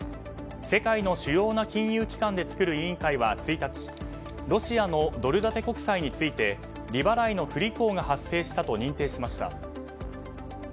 世界の主要な金融機関で作る委員会は、１日ロシアのドル建て国債について利払いの不履行が発生したと認定しました。